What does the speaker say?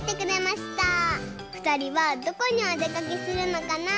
ふたりはどこにおでかけするのかな？